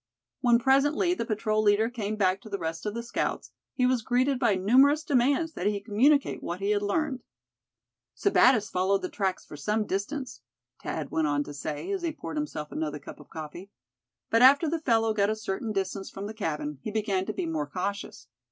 When presently the patrol leader came back to the rest of the scouts, he was greeted by numerous demands that he communicate what he had learned. "Sebattis followed the tracks for some distance," Thad went on to say, as he poured himself another cup of coffee; "but after the fellow got a certain distance from the cabin, he began to be more cautious.